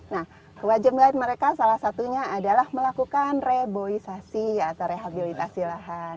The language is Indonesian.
nah kewajiban mereka salah satunya adalah melakukan reboisasi atau rehabilitasi lahan